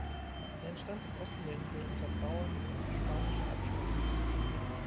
Er entstand im Osten der Insel unter Bauern spanischer Abstammung.